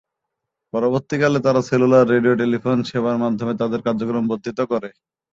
পরবর্তীকালে তারা cellular radio telephone সেবার মাধ্যমে তাদের কার্যক্রম বর্ধিত করে।